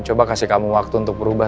coba kasih kamu waktu untuk berubah